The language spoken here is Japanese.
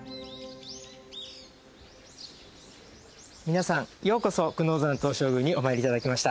皆さんようこそ久能山東照宮にお参り頂きました。